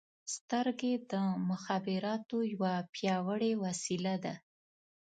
• سترګې د مخابراتو یوه پیاوړې وسیله ده.